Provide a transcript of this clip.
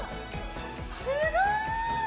すごい！